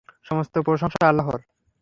সমস্ত প্রশংসা আল্লাহর।